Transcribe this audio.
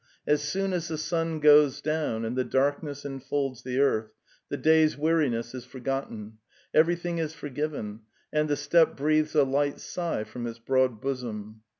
As soon as the sun goes down and the darkness enfolds the earth, the day's weariness is forgotten, everything is forgiven, and the steppe breathes a light sigh from its broad bosom.